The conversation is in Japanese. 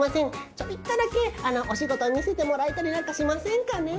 ちょびっとだけおしごとみせてもらえたりなんかしませんかねえ？